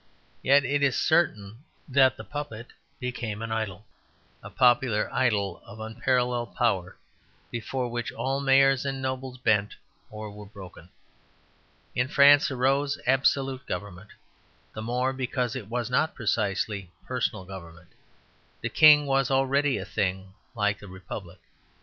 Yet it is certain that the puppet became an idol; a popular idol of unparalleled power, before which all mayors and nobles bent or were broken. In France arose absolute government, the more because it was not precisely personal government. The King was already a thing like the Republic.